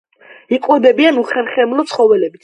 იკვებებიან უხერხემლო ცხოველებით.